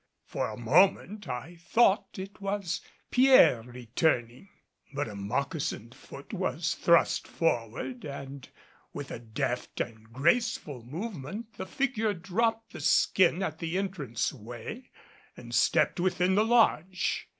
For a moment, I thought it was Pierre returning. But a moccasined foot was thrust forward, and with a deft and graceful movement the figure dropped the skin at the entrance way and stepped within the lodge.